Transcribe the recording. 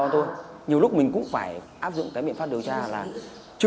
thì em nghĩ anh chứ